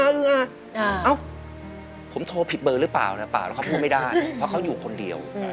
เอ้าผมโทรผิดเบอร์หรือเปล่านะเปล่าแล้วเขาพูดไม่ได้เพราะเขาอยู่คนเดียว